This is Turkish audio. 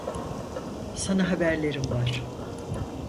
Sana haberlerim var.